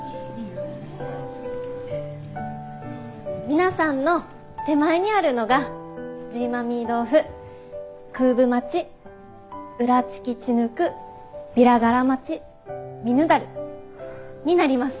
皆さんの手前にあるのがジーマーミ豆腐クーブマチ裏チキチヌクビラガラマチミヌダルになります。